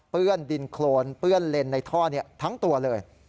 ดินโครนเปื้อนเลนในท่อทั้งตัวเลย